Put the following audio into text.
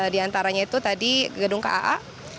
diantaranya itu tadi gedung kaa